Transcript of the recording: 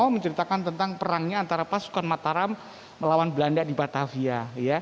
menceritakan tentang perangnya antara pasukan mataram melawan belanda di batavia